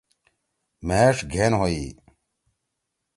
مھیݜ گھین ہوئی۔